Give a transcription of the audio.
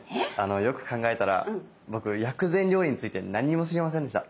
よく考えたら僕薬膳料理について何も知りませんでした。